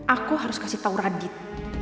aku harus kasih tau radit